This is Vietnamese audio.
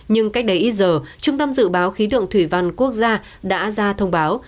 nhưng cách đây ít giờ trung tâm dự báo khí tượng thủy văn quốc gia đã ra thông báo